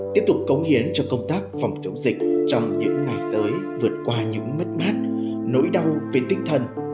tiếp tục cống hiến cho công tác phòng chống dịch trong những ngày tới vượt qua những mất mát nỗi đau về tinh thần